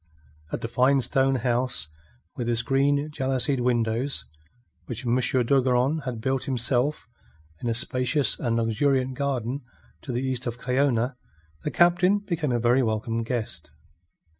At the fine stone house, with its green jalousied windows, which M. d'Ogeron had built himself in a spacious and luxuriant garden to the east of Cayona, the Captain became a very welcome guest.